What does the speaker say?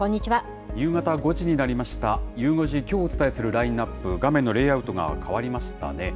夕方５時になりました、ゆう５時、きょうお伝えするラインナップ、画面のレイアウトが変わりましたね。